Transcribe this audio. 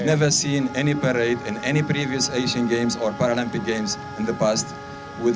saya tidak pernah melihat parade di asean games atau paragames yang sebelumnya di masa lalu